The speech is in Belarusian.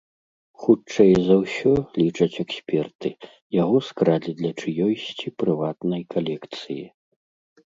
Хутчэй за ўсё, лічаць эксперты, яго скралі для чыёйсьці прыватнай калекцыі.